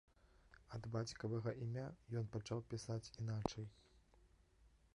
Ад бацькавага імя ён пачаў пісаць іначай.